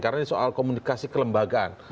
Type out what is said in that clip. karena ini soal komunikasi kelembagaan